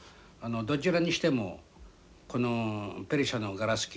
どちらにしてもこのペルシャのガラス器がね